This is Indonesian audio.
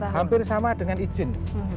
hampir sama dengan izin